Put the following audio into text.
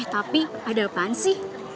tapi ada apaan sih